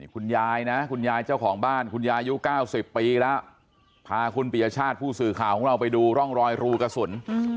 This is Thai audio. คุณยายนะคุณยายเจ้าของบ้านคุณยายุค๙๐ปีแล้วพาคุณปียชาติผู้สื่อข่าวของเราไปดูร่องรอยรูกระสุน